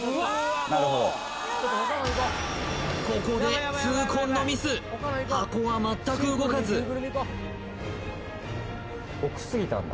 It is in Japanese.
なるほどここで痛恨のミス箱はまったく動かず奥すぎたんだ